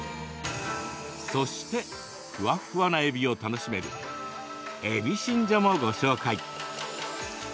そしてふわっふわなえびを楽しめるえびしんじょもご紹介。